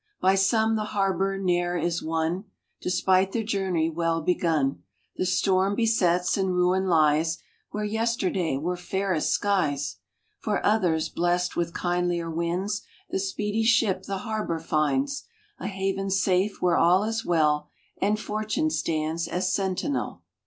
By some the harbor ne er is won, Despite the journey well begun; The storm besets, and ruin lies Where yesterday were fairest skies. For others, blest with kindlier winds, The speedy ship the harbor finds A haven safe where all is well, And Fortune stands as sentinel.